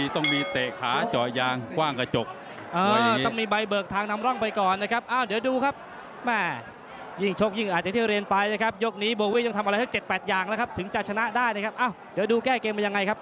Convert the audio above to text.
ถ้าจดเดินติดต้องมีเตะขาจเหยาง